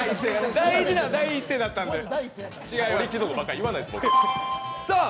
大事な第一声やったんですね。